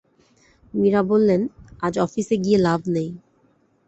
মীরা বললেন, আজ অফিসে গিয়ে লাভ নেই।